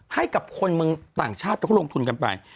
ให้กับคนเมืองต่างชาติเขาก็ลงทุนกันไป